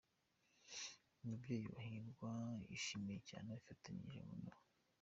Umubyeyi wa Hirwa yashimiye cyane abifatanyije nabo.